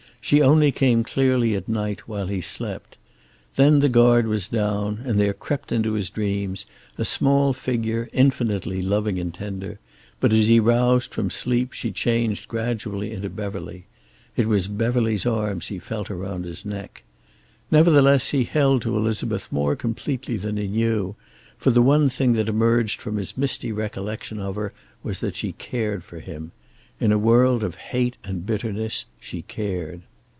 She only came clearly at night, while he slept. Then the guard was down, and there crept into his dreams a small figure, infinitely loving and tender; but as he roused from sleep she changed gradually into Beverly. It was Beverly's arms he felt around his neck. Nevertheless he held to Elizabeth more completely than he knew, for the one thing that emerged from his misty recollection of her was that she cared for him. In a world of hate and bitterness she cared.